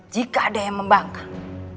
jika ada yang membangkang